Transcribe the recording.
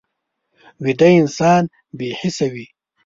ویده انسان بې حسه وي